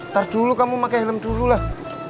ntar dulu kamu pakai helm dulu lah